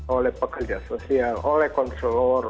oleh pekerja sosial oleh konselor